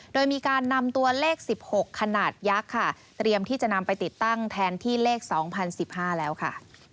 โดยมีการนำตัวเลข๑๖ขนาดยักษ์ค่ะเตรียมที่จะนำไปติดตั้งแทนที่เลข๒๐๑๕แล้วค่ะ